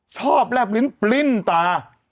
ชอบแล้วปลิ้นตา